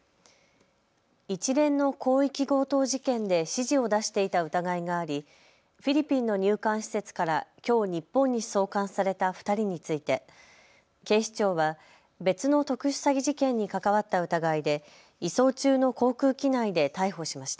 一連の広域強盗事件で指示を出していた疑いがありフィリピンの入管施設からきょう日本に送還された２人について警視庁は別の特殊詐欺事件に関わった疑いで移送中の航空機内で逮捕しました。